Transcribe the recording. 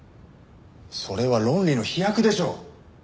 それは論理の飛躍でしょう。